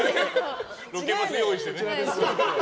ロケバス用意してね。